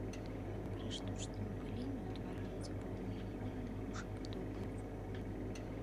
Пры штучным апыленні ўтвараюцца буйныя ягады грушападобнай формы.